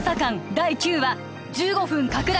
第９話１５分拡大